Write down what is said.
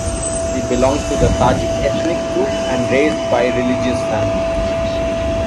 He belongs to the Tajik ethnic group and raised by religious family.